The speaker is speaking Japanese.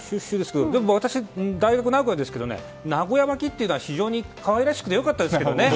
でも、私、大学名古屋ですけど名古屋巻きって非常に可愛らしくて良かったですけどね。